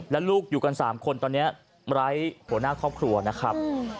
และลูกอยู่กัน๓คนตอนนี้ไร้หัวหน้าครอบครัวนะครับ